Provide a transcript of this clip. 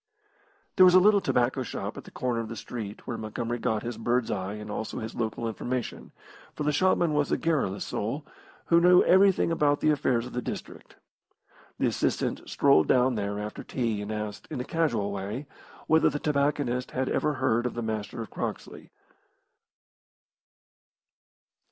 There was a little tobacco shop at the corner of the street, where Montgomery got his bird's eye and also his local information, for the shopman was a garrulous soul, who knew everything about the affairs of the district. The assistant strolled down there after tea and asked, in a casual way, whether the tobacconist had ever heard of the Master of Croxley.